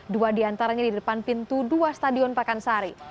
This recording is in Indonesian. dua di antaranya di depan pintu dua stadion pakansari